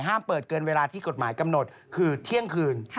ห้ามเปิดเกินเวลาที่กฎหมายกำหนดคือเที่ยงคืน